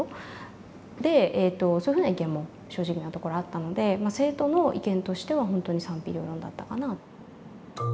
そういうふうな意見も正直なところあったので生徒の意見としては本当に賛否両論だったかな。